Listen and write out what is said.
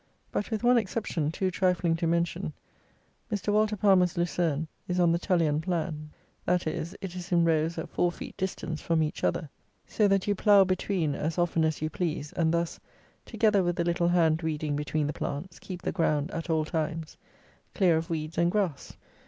But, with one exception (too trifling to mention), Mr. Walter Palmer's Lucerne is on the Tullian plan; that is, it is in rows at four feet distance from each other; so that you plough between as often as you please, and thus, together with a little hand weeding between the plants, keep the ground, at all times, clear of weeds and grass.